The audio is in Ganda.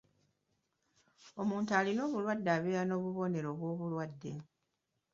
Omuntu alina obulwadde abeera n'obubonero bw'obulwadde.